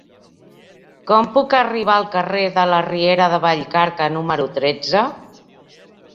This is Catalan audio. Com puc arribar al carrer de la Riera de Vallcarca número tretze?